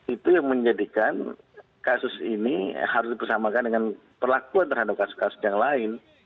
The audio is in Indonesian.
itu yang menjadikan kasus ini harus dipersamakan dengan perlakuan terhadap kasus kasus yang lain